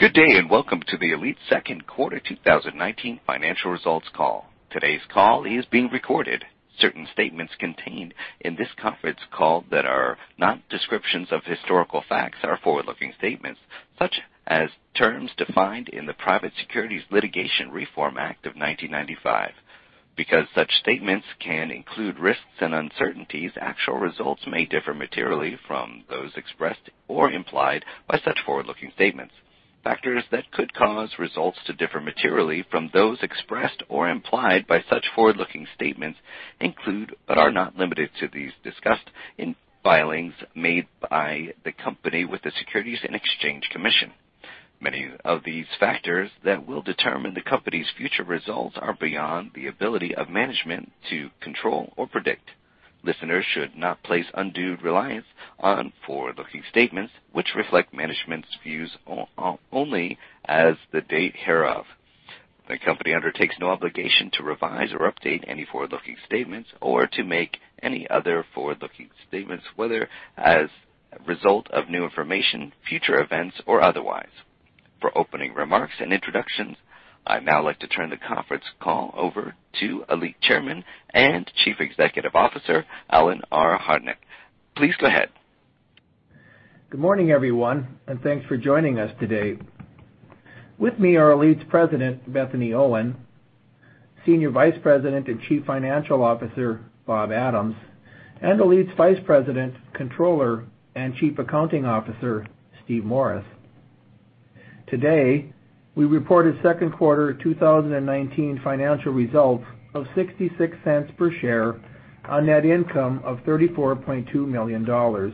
Good day, welcome to the ALLETE second quarter 2019 financial results call. Today's call is being recorded. Certain statements contained in this conference call that are not descriptions of historical facts are forward-looking statements, such as terms defined in the Private Securities Litigation Reform Act of 1995. Because such statements can include risks and uncertainties, actual results may differ materially from those expressed or implied by such forward-looking statements. Factors that could cause results to differ materially from those expressed or implied by such forward-looking statements include, but are not limited to, these discussed in filings made by the company with the Securities and Exchange Commission. Many of these factors that will determine the company's future results are beyond the ability of management to control or predict. Listeners should not place undue reliance on forward-looking statements, which reflect management's views only as the date hereof. The company undertakes no obligation to revise or update any forward-looking statements or to make any other forward-looking statements, whether as a result of new information, future events, or otherwise. For opening remarks and introductions, I'd now like to turn the conference call over to ALLETE Chairman and Chief Executive Officer, Alan R. Hodnik. Please go ahead. Good morning, everyone, and thanks for joining us today. With me are ALLETE's President, Bethany Owen, Senior Vice President and Chief Financial Officer, Robert Adams, and ALLETE's Vice President, Controller, and Chief Accounting Officer, Steven Morris. Today, we reported second quarter 2019 financial results of $0.66 per share on net income of $34.2 million.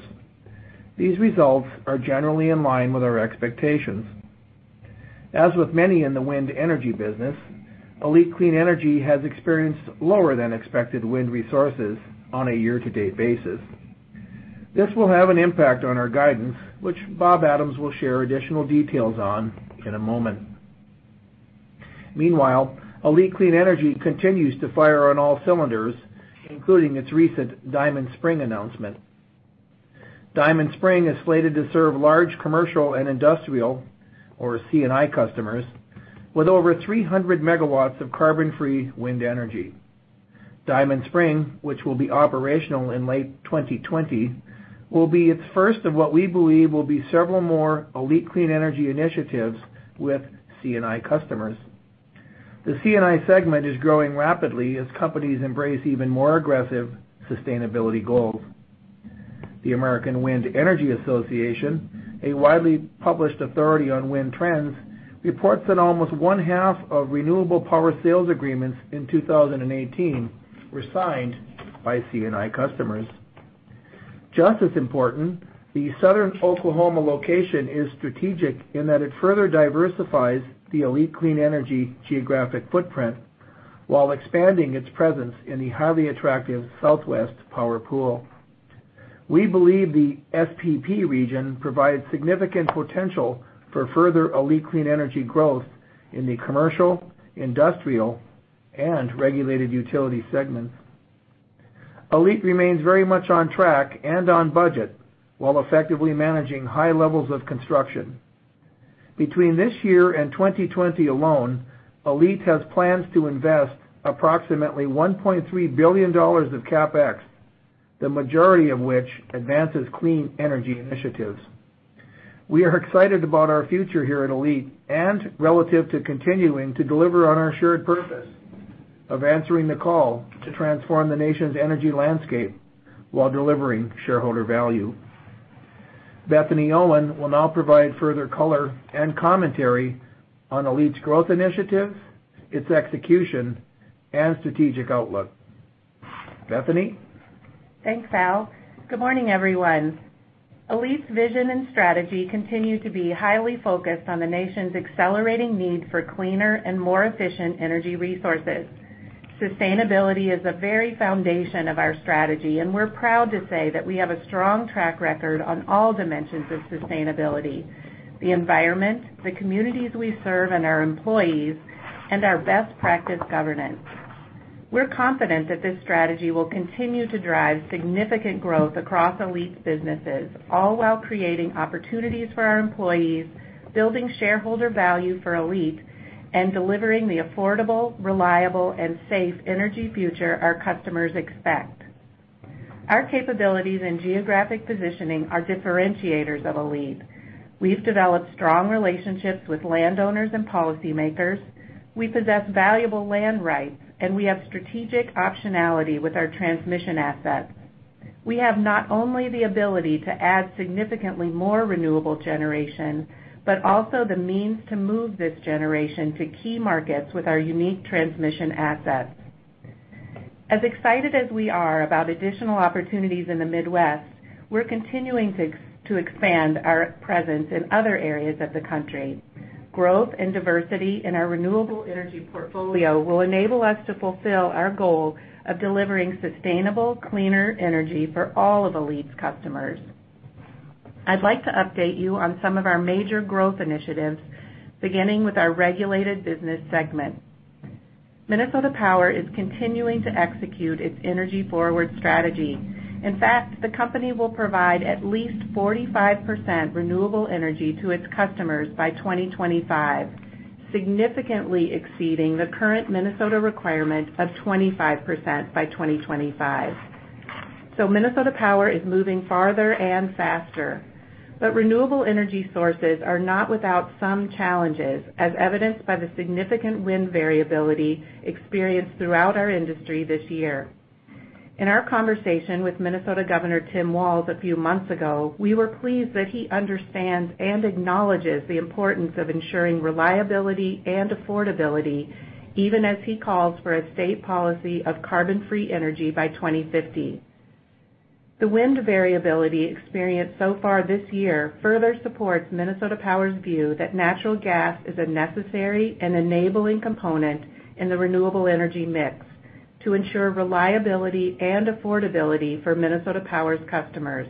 These results are generally in line with our expectations. As with many in the wind energy business, ALLETE Clean Energy has experienced lower than expected wind resources on a year-to-date basis. This will have an impact on our guidance, which Robert Adams will share additional details on in a moment. Meanwhile, ALLETE Clean Energy continues to fire on all cylinders, including its recent Diamond Spring announcement. Diamond Spring is slated to serve large commercial and industrial, or C&I customers, with over 300 MW of carbon-free wind energy. Diamond Spring, which will be operational in late 2020, will be its first of what we believe will be several more ALLETE Clean Energy initiatives with C&I customers. The C&I segment is growing rapidly as companies embrace even more aggressive sustainability goals. The American Wind Energy Association, a widely published authority on wind trends, reports that almost one-half of renewable power sales agreements in 2018 were signed by C&I customers. Just as important, the Southern Oklahoma location is strategic in that it further diversifies the ALLETE Clean Energy geographic footprint while expanding its presence in the highly attractive Southwest Power Pool. We believe the SPP region provides significant potential for further ALLETE Clean Energy growth in the commercial, industrial, and regulated utility segments. ALLETE remains very much on track and on budget while effectively managing high levels of construction. Between this year and 2020 alone, ALLETE has plans to invest approximately $1.3 billion of CapEx, the majority of which advances clean energy initiatives. We are excited about our future here at ALLETE and relative to continuing to deliver on our assured purpose of answering the call to transform the nation's energy landscape while delivering shareholder value. Bethany Owen will now provide further color and commentary on ALLETE's growth initiative, its execution, and strategic outlook. Bethany? Thanks, Al. Good morning, everyone. ALLETE's vision and strategy continue to be highly focused on the nation's accelerating need for cleaner and more efficient energy resources. Sustainability is a very foundation of our strategy, and we're proud to say that we have a strong track record on all dimensions of sustainability, the environment, the communities we serve, and our employees, and our best practice governance. We're confident that this strategy will continue to drive significant growth across ALLETE's businesses, all while creating opportunities for our employees, building shareholder value for ALLETE, and delivering the affordable, reliable, and safe energy future our customers expect. Our capabilities and geographic positioning are differentiators of ALLETE. We've developed strong relationships with landowners and policymakers, we possess valuable land rights, and we have strategic optionality with our transmission assets. We have not only the ability to add significantly more renewable generation, but also the means to move this generation to key markets with our unique transmission assets. As excited as we are about additional opportunities in the Midwest, we're continuing to expand our presence in other areas of the country. Growth and diversity in our renewable energy portfolio will enable us to fulfill our goal of delivering sustainable, cleaner energy for all of ALLETE's customers. I'd like to update you on some of our major growth initiatives, beginning with our regulated business segment. Minnesota Power is continuing to execute its energy-forward strategy. In fact, the company will provide at least 45% renewable energy to its customers by 2025, significantly exceeding the current Minnesota requirement of 25% by 2025. Minnesota Power is moving farther and faster. Renewable energy sources are not without some challenges, as evidenced by the significant wind variability experienced throughout our industry this year. In our conversation with Minnesota Governor Tim Walz a few months ago, we were pleased that he understands and acknowledges the importance of ensuring reliability and affordability, even as he calls for a state policy of carbon-free energy by 2050. The wind variability experienced so far this year further supports Minnesota Power's view that natural gas is a necessary and enabling component in the renewable energy mix to ensure reliability and affordability for Minnesota Power's customers.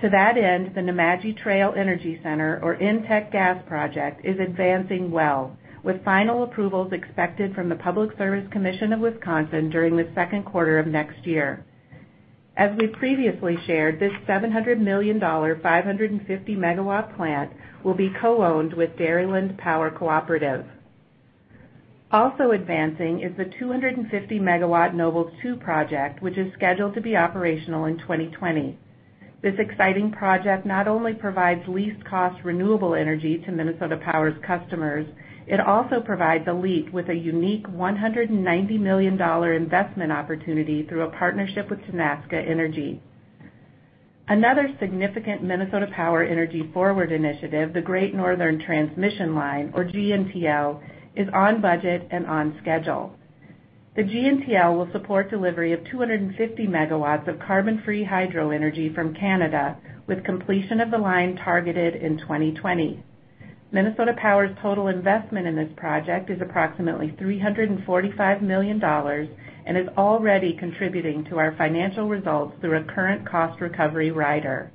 To that end, the Nemadji Trail Energy Center, or NTEC Gas project, is advancing well, with final approvals expected from the Public Service Commission of Wisconsin during the second quarter of next year. As we previously shared, this $700 million, 550-megawatt plant will be co-owned with Dairyland Power Cooperative. Also advancing is the 250-megawatt Nobles 2 project, which is scheduled to be operational in 2020. This exciting project not only provides least cost renewable energy to Minnesota Power's customers, it also provides ALLETE with a unique $190 million investment opportunity through a partnership with Tenaska Energy. Another significant Minnesota Power energy forward initiative, the Great Northern Transmission Line, or GNTL, is on budget and on schedule. The GNTL will support delivery of 250 megawatts of carbon-free hydro energy from Canada, with completion of the line targeted in 2020. Minnesota Power's total investment in this project is approximately $345 million and is already contributing to our financial results through a current cost recovery rider.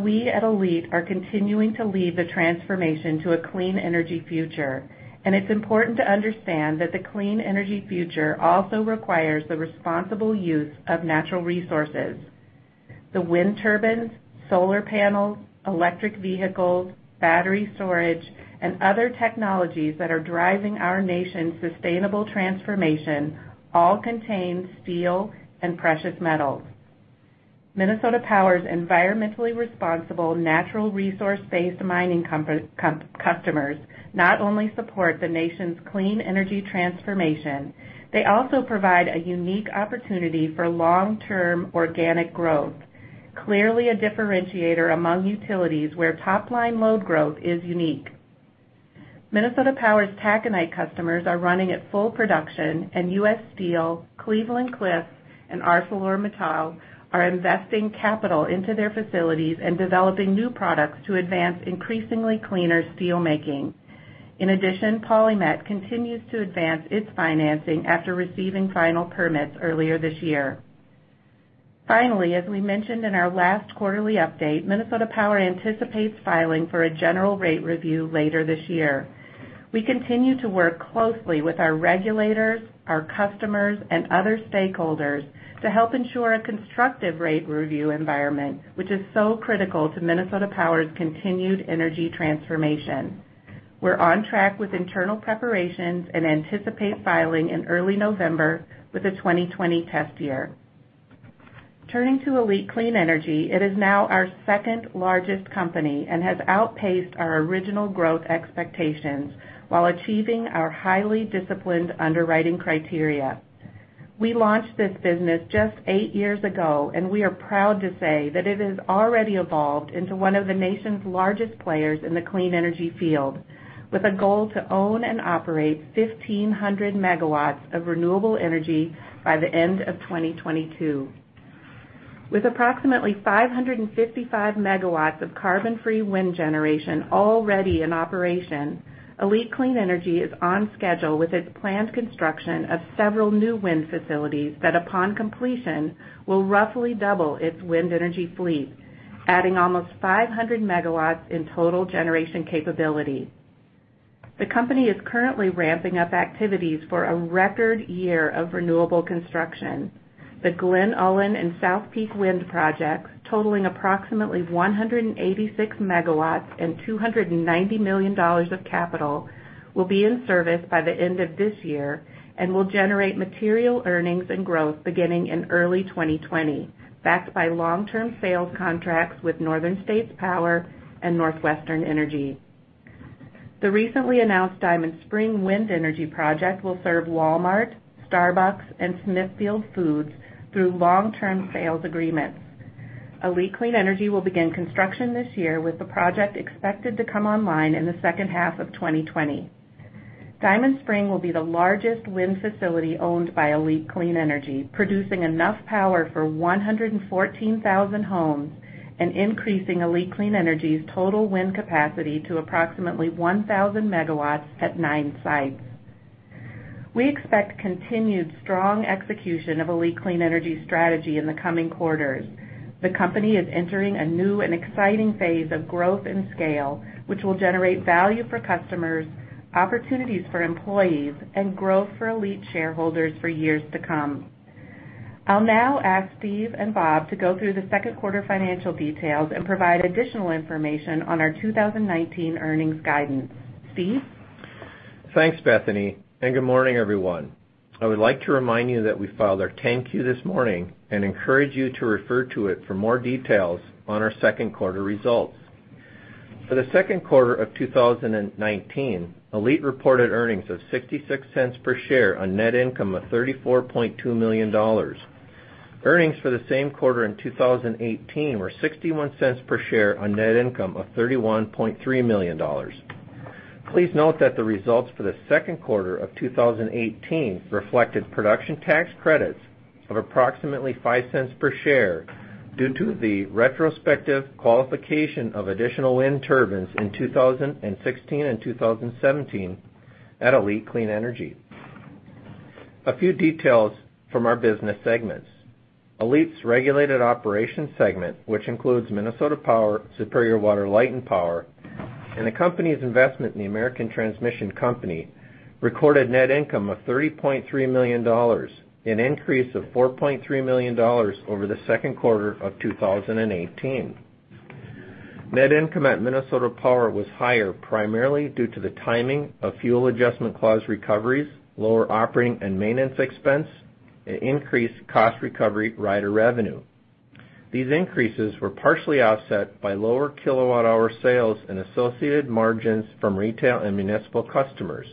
We at ALLETE are continuing to lead the transformation to a clean energy future, and it's important to understand that the clean energy future also requires the responsible use of natural resources. The wind turbines, solar panels, electric vehicles, battery storage, and other technologies that are driving our nation's sustainable transformation all contain steel and precious metals. Minnesota Power's environmentally responsible natural resource-based mining customers not only support the nation's clean energy transformation, they also provide a unique opportunity for long-term organic growth. Clearly a differentiator among utilities where top-line load growth is unique. Minnesota Power's taconite customers are running at full production, and U.S. Steel, Cleveland-Cliffs, and ArcelorMittal are investing capital into their facilities and developing new products to advance increasingly cleaner steelmaking. In addition, PolyMet continues to advance its financing after receiving final permits earlier this year. Finally, as we mentioned in our last quarterly update, Minnesota Power anticipates filing for a general rate review later this year. We continue to work closely with our regulators, our customers, and other stakeholders to help ensure a constructive rate review environment, which is so critical to Minnesota Power's continued energy transformation. We're on track with internal preparations and anticipate filing in early November with a 2020 test year. Turning to ALLETE Clean Energy, it is now our second-largest company and has outpaced our original growth expectations while achieving our highly disciplined underwriting criteria. We launched this business just eight years ago, and we are proud to say that it has already evolved into one of the nation's largest players in the clean energy field, with a goal to own and operate 1,500 megawatts of renewable energy by the end of 2022. With approximately 555 megawatts of carbon-free wind generation already in operation, ALLETE Clean Energy is on schedule with its planned construction of several new wind facilities that, upon completion, will roughly double its wind energy fleet, adding almost 500 megawatts in total generation capability. The company is currently ramping up activities for a record year of renewable construction. The Glen Ullin and South Peak wind projects, totaling approximately 186 megawatts and $290 million of capital, will be in service by the end of this year and will generate material earnings and growth beginning in early 2020, backed by long-term sales contracts with Northern States Power and NorthWestern Energy. The recently announced Diamond Spring Wind energy project will serve Walmart, Starbucks, and Smithfield Foods through long-term sales agreements. ALLETE Clean Energy will begin construction this year with the project expected to come online in the second half of 2020. Diamond Spring will be the largest wind facility owned by ALLETE Clean Energy, producing enough power for 114,000 homes and increasing ALLETE Clean Energy's total wind capacity to approximately 1,000 megawatts at nine sites. We expect continued strong execution of ALLETE Clean Energy strategy in the coming quarters. The company is entering a new and exciting phase of growth and scale, which will generate value for customers, opportunities for employees, and growth for ALLETE shareholders for years to come. I'll now ask Steve and Bob to go through the second quarter financial details and provide additional information on our 2019 earnings guidance. Steve? Thanks, Bethany, and good morning, everyone. I would like to remind you that we filed our 10-Q this morning and encourage you to refer to it for more details on our second quarter results. For the second quarter of 2019, ALLETE reported earnings of $0.66 per share on net income of $34.2 million. Earnings for the same quarter in 2018 were $0.61 per share on net income of $31.3 million. Please note that the results for the second quarter of 2018 reflected production tax credits of approximately $0.05 per share due to the retrospective qualification of additional wind turbines in 2016 and 2017 at ALLETE Clean Energy. A few details from our business segments. ALLETE's regulated operations segment, which includes Minnesota Power, Superior Water, Light, and Power, and the company's investment in the American Transmission Company, recorded net income of $30.3 million, an increase of $4.3 million over the second quarter of 2018. Net income at Minnesota Power was higher primarily due to the timing of fuel adjustment clause recoveries, lower operating and maintenance expense, and increased cost recovery rider revenue. These increases were partially offset by lower kilowatt hour sales and associated margins from retail and municipal customers.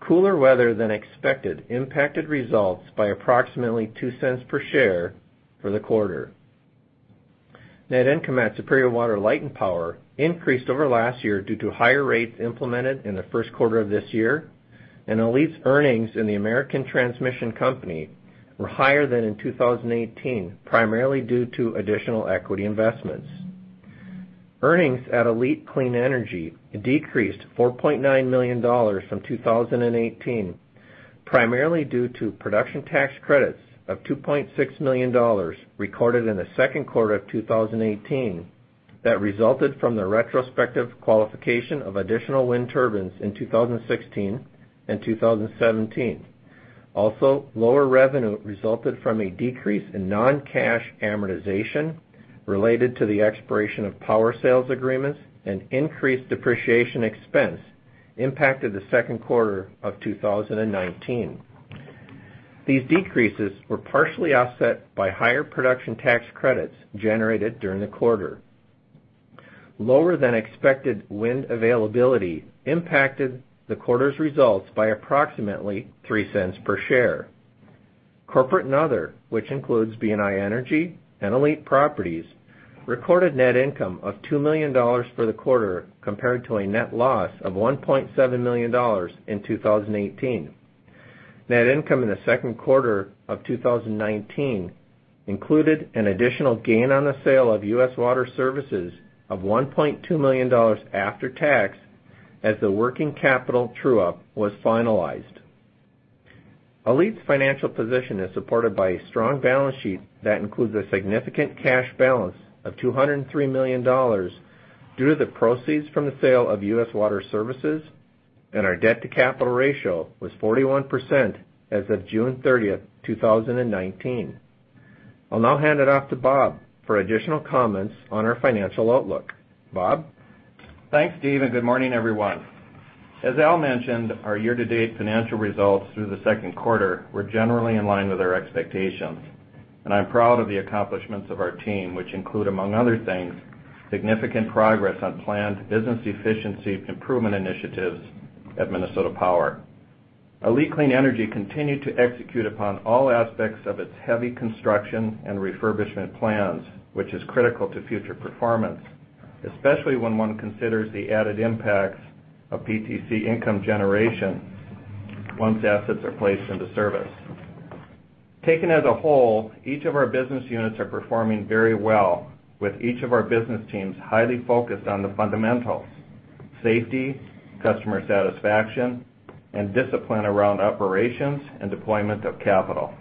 Cooler weather than expected impacted results by approximately $0.02 per share for the quarter. Net income at Superior Water, Light, and Power increased over last year due to higher rates implemented in the first quarter of this year, and ALLETE's earnings in the American Transmission Company were higher than in 2018, primarily due to additional equity investments. Earnings at ALLETE Clean Energy decreased $4.9 million from 2018, primarily due to production tax credits of $2.6 million recorded in the second quarter of 2018 that resulted from the retrospective qualification of additional wind turbines in 2016 and 2017. Lower revenue resulted from a decrease in non-cash amortization related to the expiration of power sales agreements and increased depreciation expense impacted the second quarter of 2019. These decreases were partially offset by higher production tax credits generated during the quarter. Lower than expected wind availability impacted the quarter's results by approximately $0.03 per share. Corporate and other, which includes BNI Energy and ALLETE Properties, recorded net income of $2 million for the quarter compared to a net loss of $1.7 million in 2018. Net income in the second quarter of 2019 included an additional gain on the sale of U.S. Water Services of $1.2 million after tax as the working capital true-up was finalized. ALLETE's financial position is supported by a strong balance sheet that includes a significant cash balance of $203 million due to the proceeds from the sale of U.S. Water Services, and our debt to capital ratio was 41% as of June 30th, 2019. I'll now hand it off to Bob for additional comments on our financial outlook. Bob? Thanks, Steve. Good morning, everyone. As Al mentioned, our year-to-date financial results through the second quarter were generally in line with our expectations. I'm proud of the accomplishments of our team, which include, among other things, significant progress on planned business efficiency improvement initiatives at Minnesota Power. ALLETE Clean Energy continued to execute upon all aspects of its heavy construction and refurbishment plans, which is critical to future performance, especially when one considers the added impacts of PTC income generation once assets are placed into service. Taken as a whole, each of our business units are performing very well with each of our business teams highly focused on the fundamentals: safety, customer satisfaction, and discipline around operations and deployment of capital.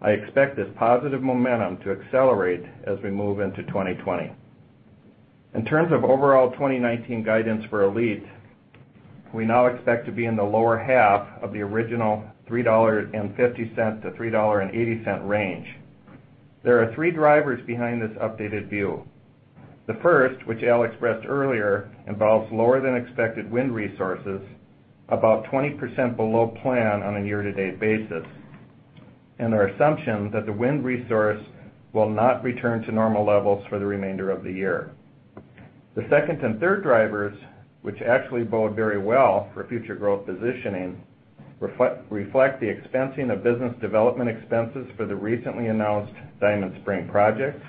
I expect this positive momentum to accelerate as we move into 2020. In terms of overall 2019 guidance for ALLETE, we now expect to be in the lower half of the original $3.50 to $3.80 range. There are three drivers behind this updated view. The first, which Alan expressed earlier, involves lower than expected wind resources, about 20% below plan on a year-to-date basis, and our assumption that the wind resource will not return to normal levels for the remainder of the year. The second and third drivers, which actually bode very well for future growth positioning, reflect the expensing of business development expenses for the recently announced Diamond Spring project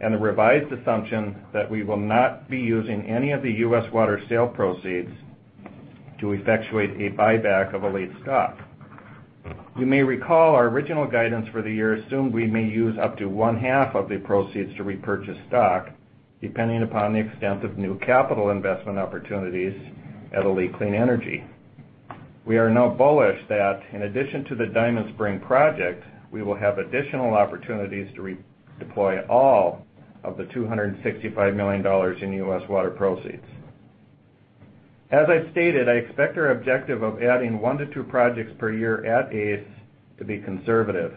and the revised assumption that we will not be using any of the U.S. Water sale proceeds to effectuate a buyback of ALLETE stock. You may recall our original guidance for the year assumed we may use up to one-half of the proceeds to repurchase stock, depending upon the extent of new capital investment opportunities at ALLETE Clean Energy. We are now bullish that in addition to the Diamond Spring project, we will have additional opportunities to redeploy all of the $265 million in U.S. Water proceeds. As I've stated, I expect our objective of adding one to two projects per year at ACE to be conservative,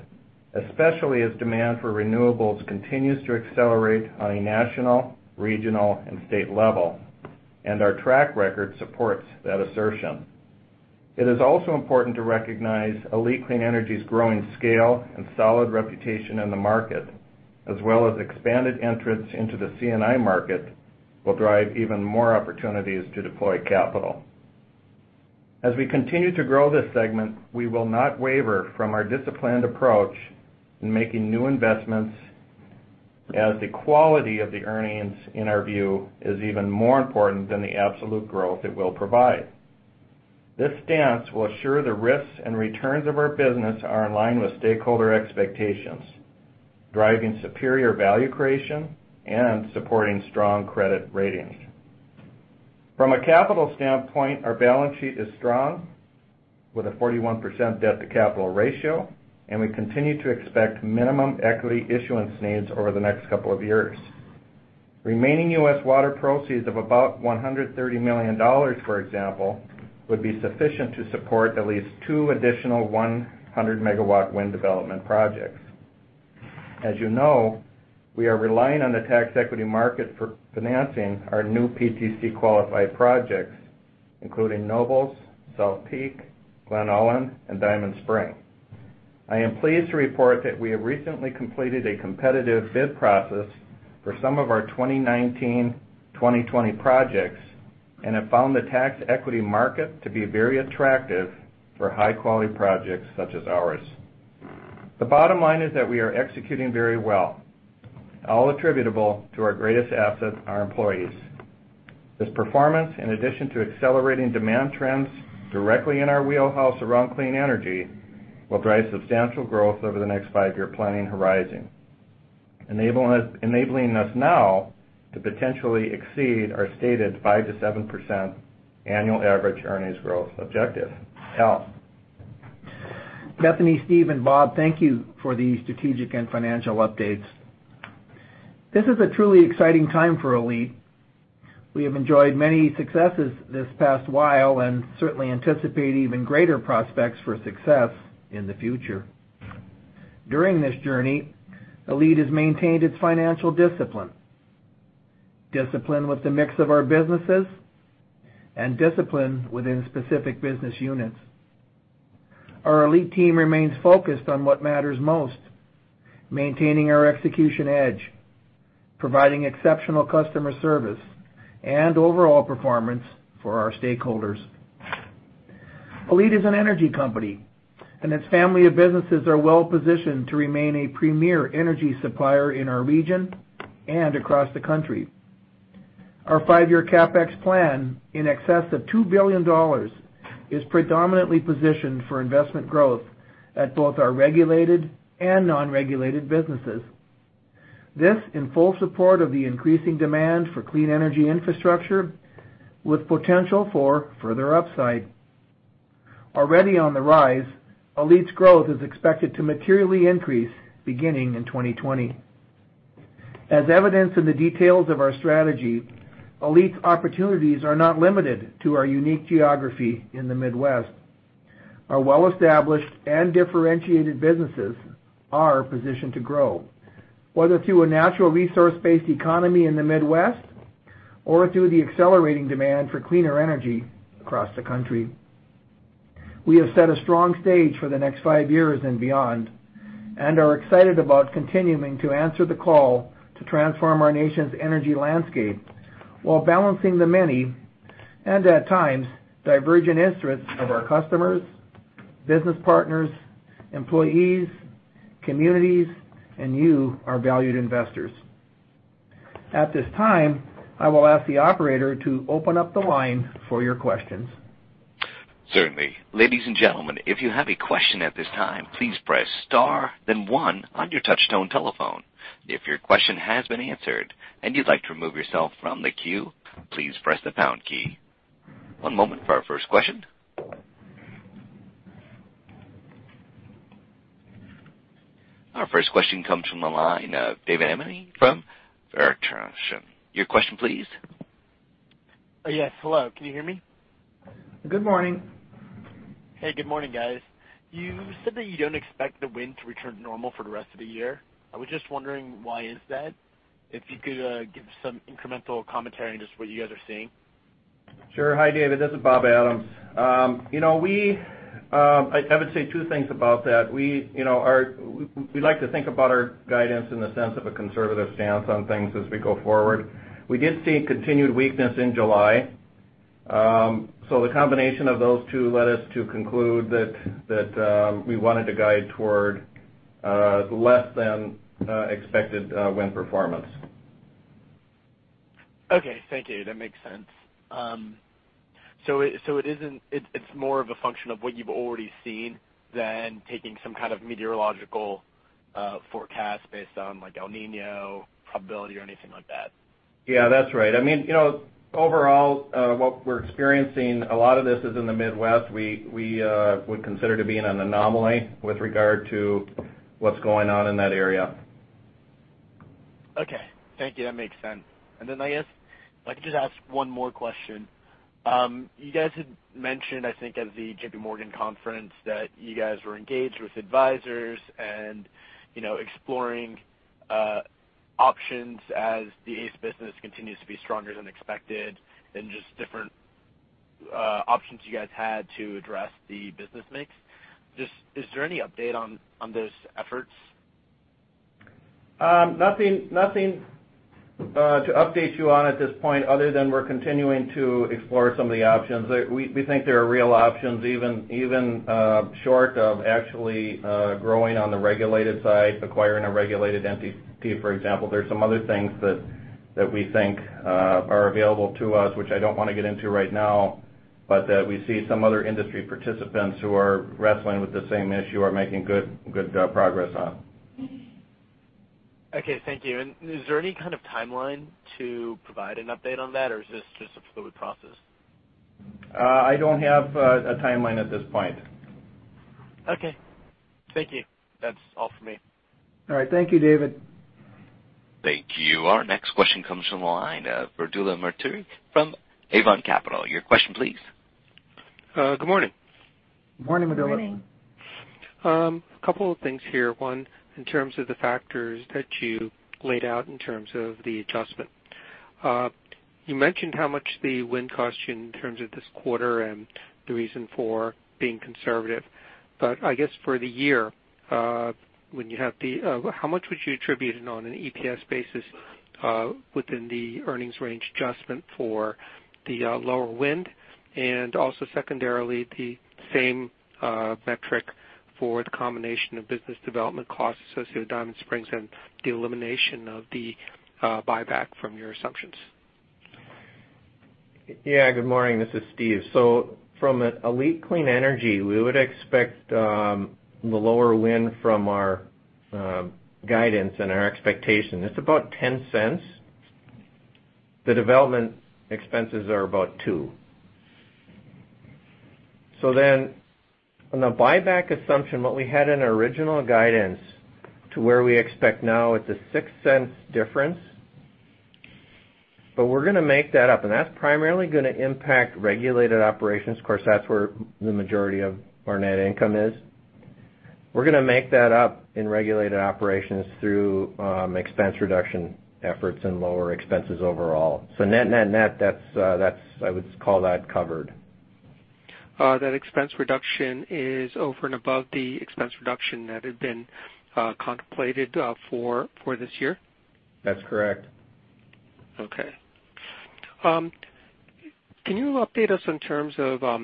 especially as demand for renewables continues to accelerate on a national, regional, and state level. Our track record supports that assertion. It is also important to recognize ALLETE Clean Energy's growing scale and solid reputation in the market, as well as expanded entrance into the C&I market, will drive even more opportunities to deploy capital. As we continue to grow this segment, we will not waver from our disciplined approach in making new investments, as the quality of the earnings, in our view, is even more important than the absolute growth it will provide. This stance will assure the risks and returns of our business are in line with stakeholder expectations, driving superior value creation, and supporting strong credit ratings. From a capital standpoint, our balance sheet is strong, with a 41% debt-to-capital ratio, and we continue to expect minimum equity issuance needs over the next couple of years. Remaining U.S. Water proceeds of about $130 million, for example, would be sufficient to support at least two additional 100-megawatt wind development projects. As you know, we are relying on the tax equity market for financing our new PTC-qualified projects, including Nobles, South Peak, Glen Ullin, and Diamond Spring. I am pleased to report that we have recently completed a competitive bid process for some of our 2019, 2020 projects, and have found the tax equity market to be very attractive for high-quality projects such as ours. The bottom line is that we are executing very well, all attributable to our greatest asset, our employees. This performance, in addition to accelerating demand trends directly in our wheelhouse around clean energy, will drive substantial growth over the next five-year planning horizon, enabling us now to potentially exceed our stated 5%-7% annual average earnings growth objective. Al? Bethany, Steve, and Bob, thank you for the strategic and financial updates. This is a truly exciting time for ALLETE. We have enjoyed many successes this past while, and certainly anticipate even greater prospects for success in the future. During this journey, ALLETE has maintained its financial discipline. Discipline with the mix of our businesses and discipline within specific business units. Our ALLETE team remains focused on what matters most, maintaining our execution edge, providing exceptional customer service, and overall performance for our stakeholders. ALLETE is an energy company, and its family of businesses are well-positioned to remain a premier energy supplier in our region and across the country. Our five-year CapEx plan, in excess of $2 billion, is predominantly positioned for investment growth at both our regulated and non-regulated businesses. This in full support of the increasing demand for clean energy infrastructure with potential for further upside. Already on the rise, ALLETE's growth is expected to materially increase beginning in 2020. As evidenced in the details of our strategy, ALLETE's opportunities are not limited to our unique geography in the Midwest. Our well-established and differentiated businesses are positioned to grow, whether through a natural resource-based economy in the Midwest or through the accelerating demand for cleaner energy across the country. We have set a strong stage for the next five years and beyond, and are excited about continuing to answer the call to transform our nation's energy landscape while balancing the many and at times divergent interests of our customers, business partners, employees, communities, and you, our valued investors. At this time, I will ask the operator to open up the line for your questions. Certainly. Ladies and gentlemen, if you have a question at this time, please press star then one on your touchtone telephone. If your question has been answered and you'd like to remove yourself from the queue, please press the pound key. One moment for our first question. Our first question comes from the line of David Arcaro from Morgan Stanley. Your question, please. Yes. Hello. Can you hear me? Good morning. Hey, good morning, guys. You said that you don't expect the wind to return to normal for the rest of the year. I was just wondering why is that? If you could give some incremental commentary on just what you guys are seeing. Sure. Hi, David. This is Robert Adams. I would say two things about that. We like to think about our guidance in the sense of a conservative stance on things as we go forward. We did see continued weakness in July. The combination of those two led us to conclude that we wanted to guide toward less than expected wind performance. Okay. Thank you. That makes sense. It's more of a function of what you've already seen than taking some kind of meteorological forecast based on El Nino probability or anything like that? Yeah, that's right. Overall, what we're experiencing, a lot of this is in the Midwest, we would consider to be an anomaly with regard to what's going on in that area. Okay. Thank you. That makes sense. I guess, if I could just ask one more question. You guys had mentioned, I think at the J.P. Morgan conference, that you guys were engaged with advisors and exploring options as the ACE business continues to be stronger than expected and just different options you guys had to address the business mix. Is there any update on those efforts? Nothing to update you on at this point other than we're continuing to explore some of the options. We think there are real options, even short of actually growing on the regulated side, acquiring a regulated entity, for example. There's some other things that we think are available to us, which I don't want to get into right now, but that we see some other industry participants who are wrestling with the same issue are making good progress on. Okay. Thank you. Is there any kind of timeline to provide an update on that, or is this just a fluid process? I don't have a timeline at this point. Okay. Thank you. That's all for me. All right. Thank you, David. Thank you. Our next question comes from the line of Praful Nabar from Avon Capital. Your question please. Good morning. Morning, Praful. Good morning. A couple of things here. One, in terms of the factors that you laid out in terms of the adjustment. You mentioned how much the wind cost you in terms of this quarter and the reason for being conservative, but I guess for the year, how much would you attribute it on an EPS basis, within the earnings range adjustment for the lower wind? Also secondarily, the same metric for the combination of business development costs associated with Diamond Spring and the elimination of the buyback from your assumptions. Good morning. This is Steve. From an ALLETE Clean Energy, we would expect the lower wind from our guidance and our expectation. It's about $0.10. The development expenses are about $0.02. On the buyback assumption, what we had in our original guidance to where we expect now, it's a $0.06 difference. We're going to make that up, and that's primarily going to impact regulated operations. Of course, that's where the majority of our net income is. We're going to make that up in regulated operations through expense reduction efforts and lower expenses overall. Net, that's, I would call that covered. That expense reduction is over and above the expense reduction that had been contemplated for this year? That's correct. Okay. Can you update us in terms of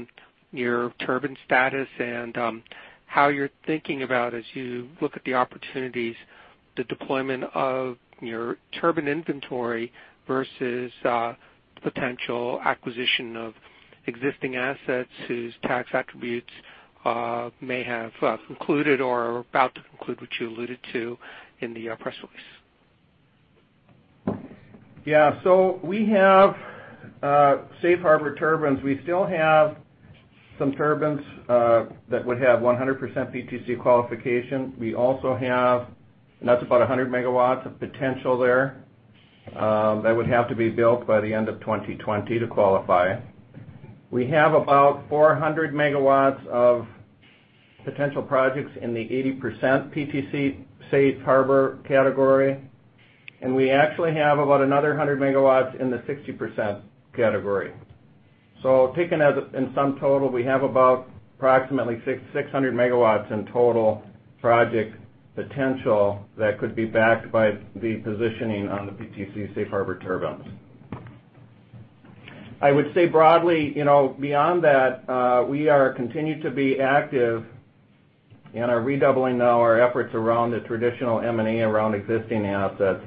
your turbine status and how you're thinking about as you look at the opportunities, the deployment of your turbine inventory versus potential acquisition of existing assets whose tax attributes may have concluded or are about to conclude, which you alluded to in the press release? Yeah. We have safe harbor turbines. We still have some turbines that would have 100% PTC qualification. We also have, and that's about 100 megawatts of potential there, that would have to be built by the end of 2020 to qualify. We have about 400 megawatts of potential projects in the 80% PTC safe harbor category. We actually have about another 100 megawatts in the 60% category. Taken in sum total, we have about approximately 600 megawatts in total project potential that could be backed by the positioning on the PTC safe harbor turbines. I would say broadly, beyond that, we are continued to be active and are redoubling now our efforts around the traditional M&A around existing assets.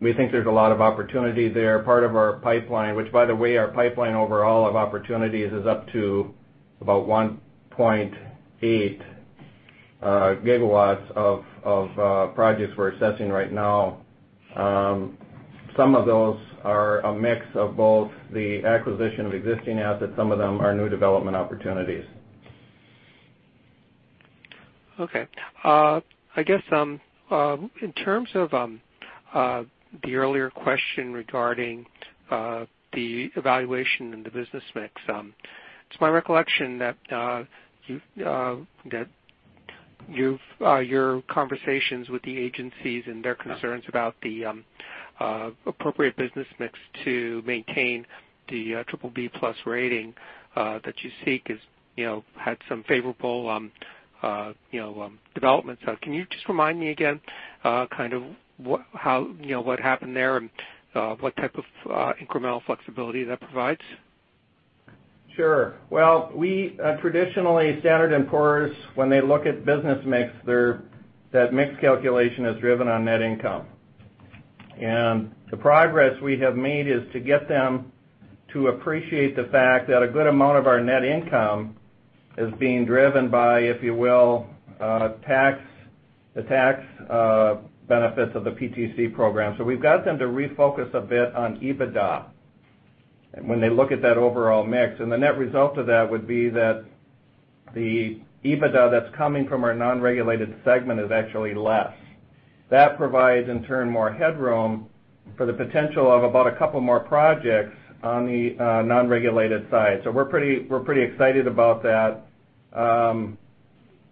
We think there's a lot of opportunity there. Part of our pipeline, which by the way, our pipeline overall of opportunities is up to about 1.8 gigawatts of projects we're assessing right now. Some of those are a mix of both the acquisition of existing assets, some of them are new development opportunities. I guess, in terms of the earlier question regarding the evaluation and the business mix, it's my recollection that your conversations with the agencies and their concerns about the appropriate business mix to maintain the BBB+ rating that you seek has had some favorable developments. Can you just remind me again, what happened there and what type of incremental flexibility that provides? Sure. Well, traditionally, Standard & Poor's, when they look at business mix, that mix calculation is driven on net income. The progress we have made is to get them to appreciate the fact that a good amount of our net income is being driven by, if you will, the tax benefits of the PTC program. We've got them to refocus a bit on EBITDA when they look at that overall mix. The net result of that would be that the EBITDA that's coming from our non-regulated segment is actually less. That provides, in turn, more headroom for the potential of about a couple more projects on the non-regulated side. We're pretty excited about that.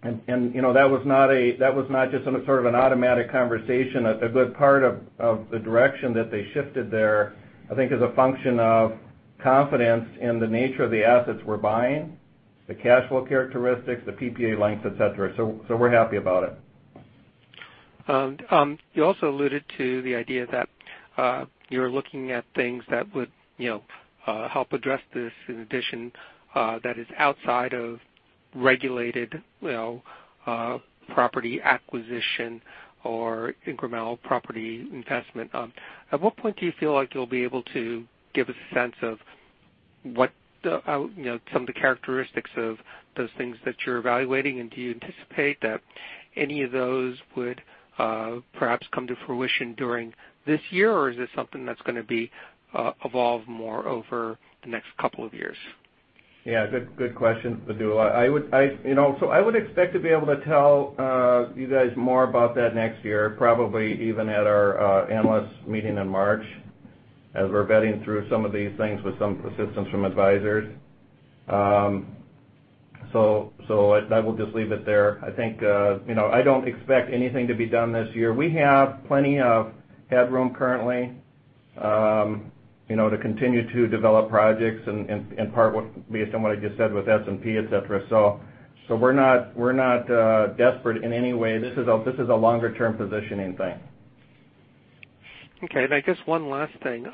That was not just some sort of an automatic conversation. A good part of the direction that they shifted there, I think, is a function of confidence in the nature of the assets we're buying, the cash flow characteristics, the PPA length, et cetera. We're happy about it. You also alluded to the idea that you're looking at things that would help address this in addition that is outside of regulated property acquisition or incremental property investment. At what point do you feel like you'll be able to give a sense of some of the characteristics of those things that you're evaluating? Do you anticipate that any of those would perhaps come to fruition during this year, or is this something that's going to evolve more over the next couple of years? Good question, Praful. I would expect to be able to tell you guys more about that next year, probably even at our analysts' meeting in March, as we're vetting through some of these things with some assistance from advisors. I will just leave it there. I don't expect anything to be done this year. We have plenty of headroom currently to continue to develop projects, in part based on what I just said with S&P, et cetera. We're not desperate in any way. This is a longer-term positioning thing. Okay. I guess one last thing.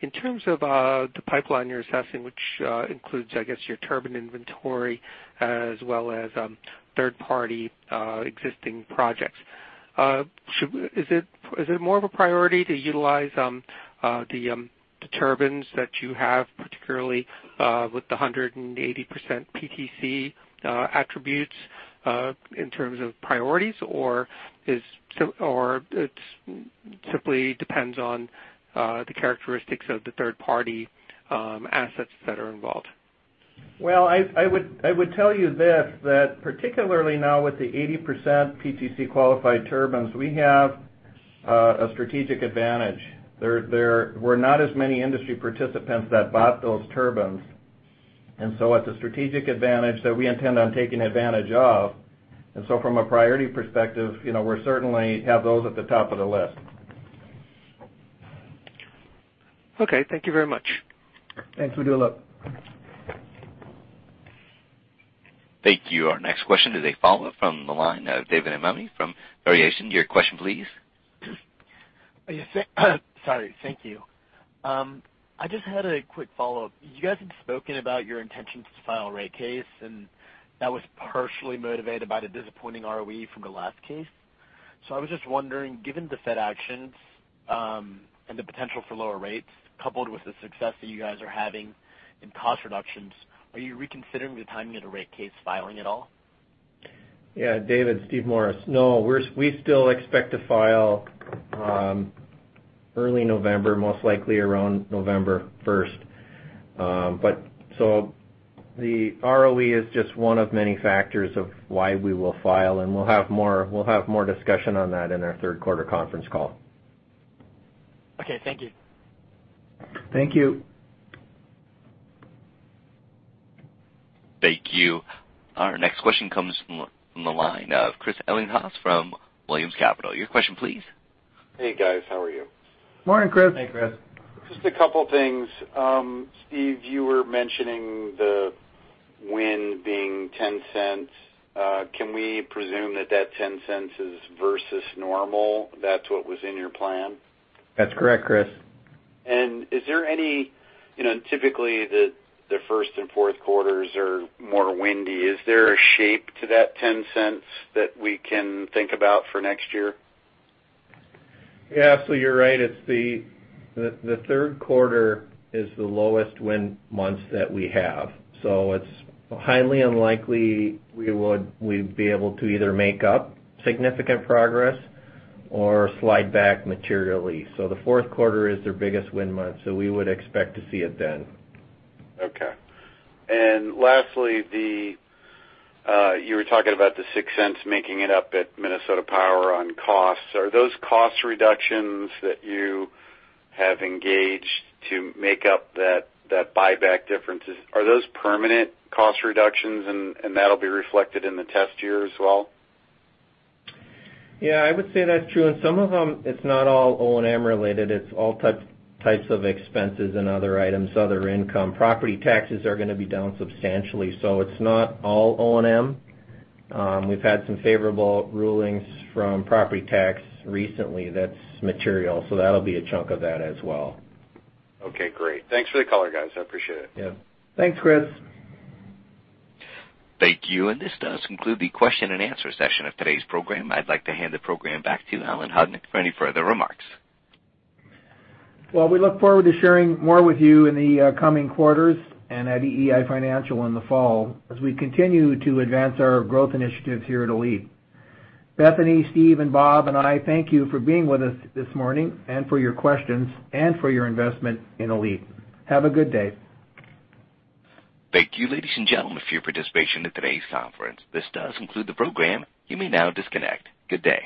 In terms of the pipeline you're assessing, which includes, I guess, your turbine inventory as well as third-party existing projects, is it more of a priority to utilize the turbines that you have, particularly with the 180% PTC attributes in terms of priorities, or it simply depends on the characteristics of the third-party assets that are involved? Well, I would tell you this, that particularly now with the 80% PTC-qualified turbines, we have a strategic advantage. There were not as many industry participants that bought those turbines. It's a strategic advantage that we intend on taking advantage of. From a priority perspective, we certainly have those at the top of the list. Okay. Thank you very much. Thanks, Praful. Thank you. Our next question is a follow-up from the line of David Arcaro from Morgan Stanley. Your question please. Sorry. Thank you. I just had a quick follow-up. You guys had spoken about your intentions to file a rate case, and that was partially motivated by the disappointing ROE from the last case. I was just wondering, given the Fed actions, and the potential for lower rates, coupled with the success that you guys are having in cost reductions, are you reconsidering the timing of the rate case filing at all? Yeah. David, Steven Morris. No, we still expect to file early November, most likely around November 1st. The ROE is just one of many factors of why we will file, and we'll have more discussion on that in our third quarter conference call. Okay. Thank you. Thank you. Thank you. Our next question comes from the line of Christopher Williams from Williams Capital. Your question please. Hey guys, how are you? Morning, Chris. Hey, Chris. Just a couple things. Steve, you were mentioning the wind being $0.10. Can we presume that that $0.10 is versus normal? That's what was in your plan? That's correct, Chris. Typically, the first and fourth quarters are more windy. Is there a shape to that $0.10 that we can think about for next year? Yeah. You're right. The third quarter is the lowest wind months that we have. It's highly unlikely we'd be able to either make up significant progress or slide back materially. The fourth quarter is their biggest wind month, so we would expect to see it then. Okay. Lastly, you were talking about the $0.06 making it up at Minnesota Power on costs. Are those cost reductions that you have engaged to make up that buyback differences, are those permanent cost reductions and that'll be reflected in the test year as well? Yeah, I would say that's true. Some of them, it's not all O&M related, it's all types of expenses and other items, other income. Property taxes are going to be down substantially. It's not all O&M. We've had some favorable rulings from property tax recently that's material, so that'll be a chunk of that as well. Okay, great. Thanks for the color, guys. I appreciate it. Yeah. Thanks, Chris. Thank you. This does conclude the question and answer session of today's program. I'd like to hand the program back to Alan Hodnik for any further remarks. Well, we look forward to sharing more with you in the coming quarters and at EEI Financial in the fall as we continue to advance our growth initiatives here at ALLETE. Bethany, Steve, and Bob and I thank you for being with us this morning and for your questions and for your investment in ALLETE. Have a good day. Thank you, ladies and gentlemen, for your participation in today's conference. This does conclude the program. You may now disconnect. Good day.